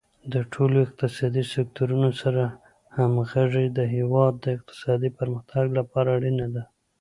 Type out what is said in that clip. د ټولو اقتصادي سکتورونو سره همغږي د هیواد د اقتصادي پرمختګ لپاره اړینه ده.